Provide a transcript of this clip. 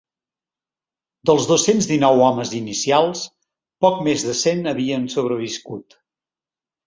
Dels dos-cents dinou homes inicials, poc més de cent havien sobreviscut.